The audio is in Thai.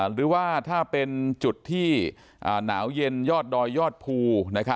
หรือว่าถ้าเป็นจุดที่หนาวเย็นยอดดอยยอดภู